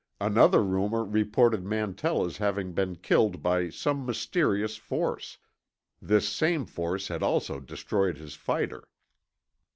Another rumor reported Mantell as having been killed by some mysterious force; this same force had also destroyed his fighter.